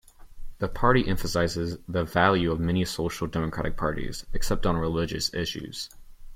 The party emphasizes the values of many social democratic parties, except on religious issues.